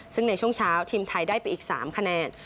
ซึ่งในช่วงเช้าทีมไทยได้ไปอีก๓คะแนน